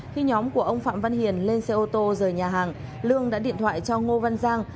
khi nhóm của ông phạm văn hiền lên xe ô tô rời nhà hàng lương đã điện thoại cho ngô văn giang